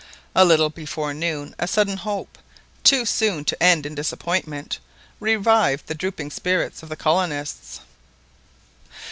A little before noon a sudden hope—too soon to end in disappointment—revived the drooping spirits of the colonists.